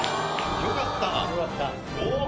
よかった。